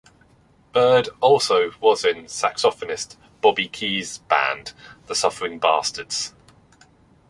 Baird also was in saxophonist Bobby Keys' band The Suffering Bastards.